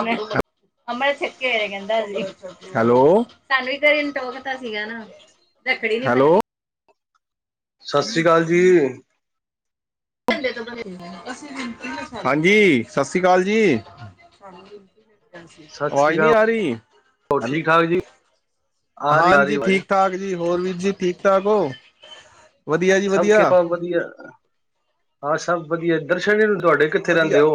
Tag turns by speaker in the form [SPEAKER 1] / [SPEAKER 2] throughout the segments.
[SPEAKER 1] ਅਮ੍ਰ ਵ ਕਹਿੰਦਾ ਥਕੇ ਹੋਏ, ਹੈਲੋ ਸਾਨੂੰ ਵੀ ਕਿਸੇ ਨ ਟੋਕ ਤਾਂ ਸੀਗਾ ਨਾ ਰੱਖੜੀ ਨੀ---ਹੈਲੋ
[SPEAKER 2] ਸਤਿ ਸ੍ਰੀ ਅਕਾਲ ਜੀ।
[SPEAKER 1] ਹਾਂਜੀ ਸਤਿ ਸ਼੍ਰੀ ਅਕਾਲ ਜੀ। ਹਾਂਜੀ
[SPEAKER 2] ਸਤਿ ਸ੍ਰੀ
[SPEAKER 1] ਆਵਾਜ ਨਹੀਂ
[SPEAKER 2] ਅਕਾਲ
[SPEAKER 1] ਆ ਰਹੀ
[SPEAKER 2] ਹੋਰ ਠੀਕ ਠਾਕ ਜੀ ਆ ਰਹੀ ਆ ਰਹੀ
[SPEAKER 1] ਹਾਂਜੀ
[SPEAKER 2] ਆਵਾਜ਼
[SPEAKER 1] ਠੀਕ-ਠਾਕ ਹੋਰ ਵੀਰ ਜੀ ਠੀਕ-ਠਾਕ ਹੋ। ਵਧੀਆ ਜੀ
[SPEAKER 2] ਸਭ
[SPEAKER 1] ਵਧੀਆ।
[SPEAKER 2] ਕਿਰਪਾ ਵਧੀਆ ਹਾਂ ਸਭ ਵਧੀਆ ਦਰਸ਼ਨ ਨਹੀ ਹੂਦੇ ਤੁਹਾਡੇ
[SPEAKER 1] ਸਭ
[SPEAKER 2] ਕਿੱਥੇ ਰਹਿੰਦੇ
[SPEAKER 1] ਵਧੀਆ।
[SPEAKER 2] ਹੋ।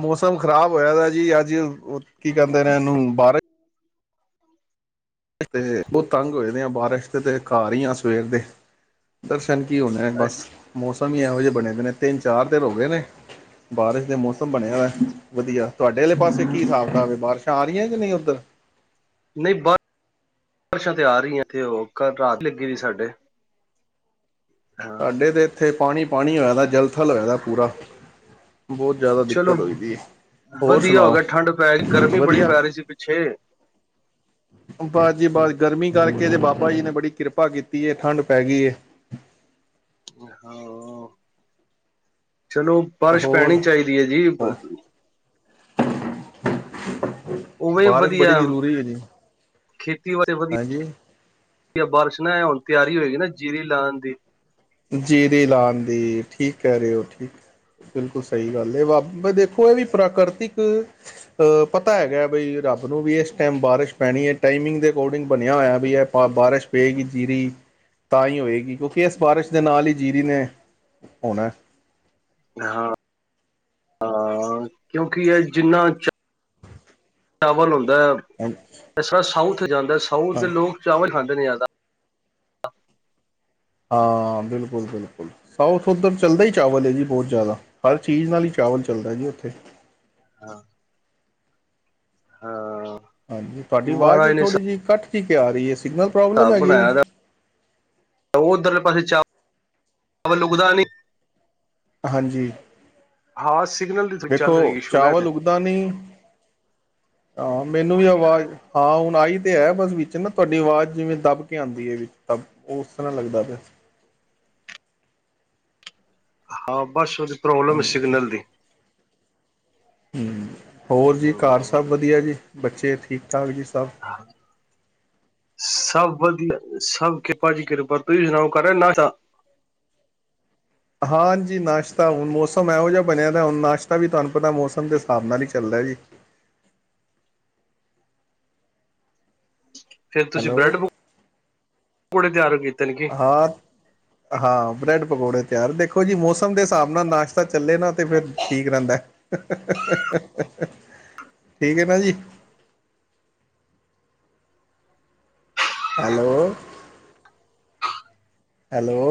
[SPEAKER 1] ਮੌਸਮ ਖ਼ਰਾਬ ਹੋਇਆ ਦਾ ਜੀ ਅੱਜ ਕੀ ਕਹਿੰਦੇ ਨੇ ਇਹਨੂ ਬਾਰਿਸ਼ ਤੇ ਬਹੁਤ ਤੰਗ ਹੋਏ ਦੇ ਆ ਬਾਰਿਸ਼ ਦੇ ਤੇ ਘਰ ਹੀ ਆ ਸਵੇਰ ਦੇ। ਦਰਸ਼ਨ ਕੀ ਹੋਨ ਬਸ
[SPEAKER 2] ਅੱਛਾ
[SPEAKER 1] ਮੌਸਮ ਹੀ ਇਹੋ ਜਿਹੇ ਬਣੇ ਹੋ ਨੇ ਤਿੰਨ ਚਾਰ ਦੇਰ ਹੋ ਗਏ ਨੇ ਬਾਰਿਸ਼ ਦੇ ਮੌਸਮ ਬਣਿਆ ਦਾ ਵਧੀਆ ਤੁਹਾਡੇ ਵਾਲੇ ਪਾਸੇ ਕੀ ਹਿਸਾਬ ਕਤਾਾਬ ਹੈ ਬਾਰਿਸ਼ਾਂ ਆ ਰਹੀਆਂ ਕਿ ਨਹੀਂ ਉੱਧਰ।
[SPEAKER 2] ਨਹੀਂ ਬਾਰ ਬਾਰਸ਼ਾਂ ਤੇ ਆ ਰਹੀਆਂ ਉਹ ਕਲ ਰਾਤ ਦੀ ਲੱਗੀ ਵਦੀ ਸਾਡੇ। ਹਾਂ
[SPEAKER 1] ਸਾਡੇ ਤੇ ਇੱਥੇ ਪਾਣੀ ਪਾਣੀ ਹੋਇਆਦਾ ਜਲਥਲ ਹੋਇਆ ਦਾ ਪੂਰਾ ਬਹੁਤ ਜ਼ਿਆਦਾ
[SPEAKER 2] ਚਲੋ
[SPEAKER 1] ਦਿੱਕਤ ਹੋਈ ਦੀ ਏ ਹੋਰ
[SPEAKER 2] ਵਧੀਆ ਹੋ
[SPEAKER 1] ਸੁਣਾਓ
[SPEAKER 2] ਗਿਆ ਠੰਡ ਪੈ ਗਈ ਗਰਮੀ ਬੜੀ
[SPEAKER 1] ਵਧੀਆ
[SPEAKER 2] ਪੈ ਰਹੀ ਸੀ ਪਿੱਛੇ
[SPEAKER 1] ਬਾਬਾ ਜੀ ਬਾਤ ਗਰਮੀ ਕਰਕੇ ਤੇ ਬਾਬਾ ਜੀ ਨੇ ਬੜੀ ਕਿਰਪਾ ਕੀਤੀ ਹ ਠੰਡ ਪੈ ਗਈ
[SPEAKER 2] ਹਾਂ ਚਲੋ ਬਾਰਸ਼
[SPEAKER 1] ਹੋਰ
[SPEAKER 2] ਪੈਣੀ ਚਾਹੀਦੀ ਹੈ ਜੀ ਉਵੇਂ
[SPEAKER 1] ਬਾਰਿਸ਼
[SPEAKER 2] ਵਧੀਆ
[SPEAKER 1] ਬੜੀ ਜ਼ਰੂਰੀ ਹੈ ਜੀ,
[SPEAKER 2] ਖੇਤੀ ਵਾਸਤੇ ਵਧੀਆ
[SPEAKER 1] ਹਾਂਜੀ
[SPEAKER 2] ਬਾਰਿਸ਼ ਨਾ ਹੁਣ ਤਿਆਰੀ ਹੋਏਗੀ ਨਾ ਜੀਰੀ ਲਾਉਣ ਦੀ।
[SPEAKER 1] ਜੀਰੀ ਲਾਨ ਦੀ, ਠੀਕ ਕਹਿ ਰੇ ਹੋ ਠੀਕ। ਬਿਲਕੁਲ ਸਹੀ ਗੱਲ ਹੈ ਵਾ ਦੇਖੋ ਇਹ ਵੀ ਪ੍ਰਾਕ੍ਰਤਿਕ ਪਤਾ ਹੈਗਾ ਬਈ ਰੱਬ ਨੂੰ ਵੀ ਇਸ ਟਾਈਮ ਬਾਰਿਸ਼ ਪੈਣੀ ਹੈ ਟਾਈਮਿੰਗ ਦੇ ਅਕੋਡਿੰਗ ਬਣਿਆ ਹੋਇਆ ਵੀ ਇਹ ਬਾਰਿਸ਼ ਪਏਗੀ ਜੀਰੀ ਤਾਂ ਹੀ ਹੋਏਗੀ ਕਿਉਂਕਿ ਇਸ ਬਾਰਿਸ਼ ਦੇ ਨਾਲ ਹੀ ਜੀਰੀ ਨੇ ਆਉਣਾ।
[SPEAKER 2] ਹਾਂ ਹਾਂ, ਕਿਉਂਕਿ ਇਹ ਜਿੰਨਾ ਸਾਵਨ ਹੁੰਦਾ ਹੈ
[SPEAKER 1] ਹੁਨ
[SPEAKER 2] ਸਾਾ ਸਾਊਥ ਜਾਂਦਾ ਸਾਊਥ ਦੇ ਲੋਕ ਚਾਵਲ ਖਾਂਦੇ ਨੇ ਜ਼ਿਆਦਾ।
[SPEAKER 1] ਹਾਂ, ਬਿਲਕੁਲ-ਬਿਲਕੁਲ ਸਾਊਥ ਉੱਧਰ ਚੱਲਦਾ ਹੀ ਚਾਵਲ ਹੈ ਜੀ ਬਹੁਤ ਜ਼ਿਆਦਾ, ਹਰ ਚੀਜ਼ ਨਾਲ ਹੀ ਚਾਵਲ ਚੱਲਦਾ ਜੀ ਉੱਥੇ।
[SPEAKER 2] ਹਾਂ ਹਾਂ
[SPEAKER 1] ਹਾਂਜੀ, ਤੁਹਾਡੀ ਆਵਾਜ਼
[SPEAKER 2] ਮਹਾਰਾਜ
[SPEAKER 1] ਥੋੜ੍ਹੀ ਜਿਹੀ ਕੱਟ ਕੇ ਕਿੳ ਆ ਰਹੀ ਹੈ ਸਿਗਨਲ ਪ੍ਰੋਬਲਮ
[SPEAKER 2] ਸਾਬ
[SPEAKER 1] ਹੈਗੀ ਜੀ?
[SPEAKER 2] ਬਣਾਇਆ ਦਾ ਉਹ ਉਧਰਲੇ ਪਾਸੇ ਚਾ ਵਲ ਉਗਦਾ ਨਹੀਂ।
[SPEAKER 1] ਹਾਂਜੀ
[SPEAKER 2] ਹਾਂ ਸਿਗਨਲ ਦੀ ਚੱਲ ਰਹੀ ਸੁੂਣਾ
[SPEAKER 1] ਦਾਂ ਨੀ, ਹਾਂ ਮੈਨੂੰ ਵੀ ਆਵਾਜ਼ ਹਾਂ ਹੁਣ ਆਈ ਤੇ ਹੈ ਬਸ ਵਿੱਚ ਨਾ ਤੁਹਾਡੀ ਆਵਾਜ਼ ਜਿਵੇਂ ਦਬ ਕੇ ਆਉਂਦੀ ਹੈ ਵਿੱਚ ਦ ਉਸ ਤਰ੍ਹਾਂ ਲੱਗਦਾ ਪਿਆ।
[SPEAKER 2] ਹਾਂ ਬਸ ਉਹਦੀ ਪ੍ਰੋਬਲਮ ਹੈ ਸਿਗਨਲ ਦੀ।
[SPEAKER 1] ਹਮ, ਹੋਰ ਜੀ ਘਰ ਸਭ ਵਧੀਆ ਜੀ, ਬੱਚੇ ਠੀਕ-ਠਾਕ ਜੀ ਸਭ।
[SPEAKER 2] ਸਭ ਵਧੀਆ ਸਭ ਕਿਰਪਾਜੀ ਕਿਰਪਾ, ਤੁਸੀਂ ਸੁਣਾਓ ਕਰਲਿਆ ਨਾਸ਼ਤਾ।
[SPEAKER 1] ਹਾਂਜੀ ਨਾਸ਼ਤਾ ਹੁਣ ਮੌਸਮ ਇਹੋ ਜਿਹਾ ਬਣਿਆ ਤਾਂ ਹੁਣ ਨਾਸ਼ਤਾ ਵੀ ਤੁਹਾਨੂੰ ਪਤਾ ਮੌਸਮ ਦੇ ਹਿਸਾਬ ਨਾਲ ਹੀ ਚੱਲਦਾ ਜੀ।
[SPEAKER 2] ਫੇਰ ਤੁਸੀਂ
[SPEAKER 1] ਹੈਲੋ
[SPEAKER 2] ਬ੍ਰੈਡ ਪ, ਪਕੌੜੇ ਤਿਆਰ ਕੀਤੇ ਨੇ ਕੀ।
[SPEAKER 1] ਹਾਂ ਹਾਂ ਬ੍ਰੈਡ ਪਕੌੜੇ ਤਿਆਰ, ਦੇਖੋ ਜੀ ਮੌਸਮ ਦੇ ਹਿਸਾਬ ਨਾਲ ਨਾਸ਼ਤਾ ਚੱਲੇ ਨਾ ਤੇ ਫਿਰ ਠੀਕ ਰਹਿੰਦਾ। ਹ-ਹ-ਹ, ਠੀਕ ਹੈ ਨਾ ਜੀ। ਹੈਲੋ। ਹੈਲੋ।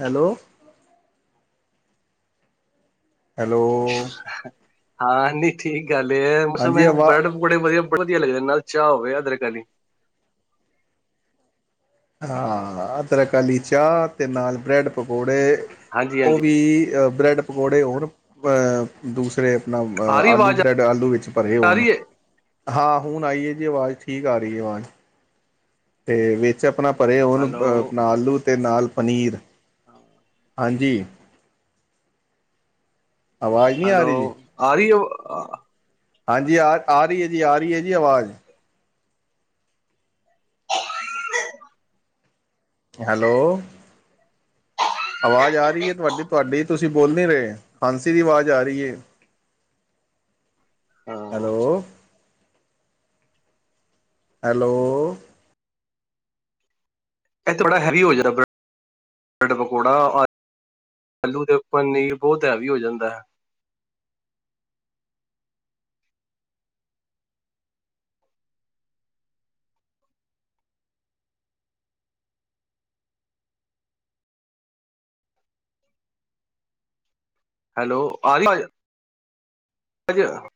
[SPEAKER 1] ਹੈਲੋ। ਹੈਲੋ
[SPEAKER 2] ਹਾਂ ਨ ਠੀਕ ਗੱਲ ਐ ਮੋਸਮ
[SPEAKER 1] ਹਾਂਜੀ
[SPEAKER 2] ਐ
[SPEAKER 1] ਆਵਾ
[SPEAKER 2] ਬਰੈਡ ਬੜੇ ਵਧੀਆ ਬੜਾ ਵਧੀਆ ਲਗ ਨਾਲ ਚਾਹ ਹੋਵੇ ਅਦਰਕਾ
[SPEAKER 1] ਹਾਂ, ਅਦਰਕ ਆਲੀ ਚਾਹ ਅਤੇ ਨਾਲ ਬਰੈਡ ਪਕੌੜੇ
[SPEAKER 2] ਹਾਂਜੀ
[SPEAKER 1] ਉਹ
[SPEAKER 2] ਹਾਂਜੀ
[SPEAKER 1] ਵੀ ਅ ਬ੍ਰੈਡ ਪਕੌੜੇ ਹੋਣ ਅਹ ਦੂਸਰੇ ਆਪ
[SPEAKER 2] ਆ ਰਹੀ
[SPEAKER 1] ਆਲੂ
[SPEAKER 2] ਆਵਾਜ਼
[SPEAKER 1] ਬ੍ਰੈਡ ਆਲੂ ਵਿੱਚ ਭਰੇ
[SPEAKER 2] ਆ
[SPEAKER 1] ਹੋਣ
[SPEAKER 2] ਰਹੀ ਹੈ
[SPEAKER 1] ਹਾਂ ਹੁਣ ਆਈ ਏ ਜੀ ਆਵਾਜ਼ ਠੀਕ ਆ ਰਹੀ ਹੈ ਆਵਾਾਂਜ਼ ਅਤੇ ਵਿੱਚ ਆਪਣਾ ਪਰੇ ਹੋਣ ਆਪਣਾ ਆਲੂ ਅਤੇ ਨਾਲ ਪਨੀਰ
[SPEAKER 2] ਹਾਂ
[SPEAKER 1] ਹਾਂਜੀ ਆਵਾਜ਼ ਨਹੀਂ ਆ
[SPEAKER 2] ਹੈਲੋ,
[SPEAKER 1] ਰਹੀ ਜੀ
[SPEAKER 2] ਆਰੀ
[SPEAKER 1] ਹਾਂਜੀ ਆ ਆ ਰਹੀ ਹੈ ਜੀ ਆ ਰਹੀ ਹੈ ਜੀ ਆਵਾਜ਼ ਹੈਲੋ। ਆਵਾਜ਼ ਆ ਰਹੀ ਹੈ ਤੁਹਾਡੀ ਤੁਹਾਡੀ ਤੁਸੀਂ ਬੋਲ ਨਹੀਂ ਰਹੇ, ਖਾਂਸੀ ਦੀ ਆਵਾਜ਼ ਆ ਰਹੀ ਹੈ।
[SPEAKER 2] ਹਾਂ
[SPEAKER 1] ਹੈਲੋ ਹੈਲੋ
[SPEAKER 2] ਇਹ ਤੇ ਬੜਾ ਹੈਵੀ ਹੋ ਜਾਏਗਾ, ਬ੍ਰੈਡ ਪਕੌੜਾ ਆਲੂ ਦੇ ਉੱਪਰ ਨੀਰ ਬਹੁਤ ਹੈਵੀ ਹੋ ਜਾਂਦਾ ਹੈ ਹੈਲੋ ਆ ਰੀ ਵਾਜ---ਆਵਾਜ